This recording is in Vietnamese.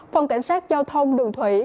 phòng cảnh sát giao thông đường thủy